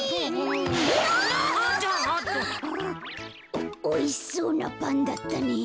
おおいしそうなパンだったね。